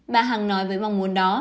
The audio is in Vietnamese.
bà hằng nói với mong muốn đó